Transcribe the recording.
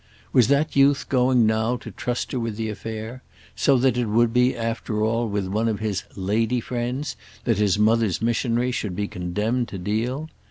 Was that youth going now to trust her with the affair—so that it would be after all with one of his "lady friends" that his mother's missionary should be condemned to deal?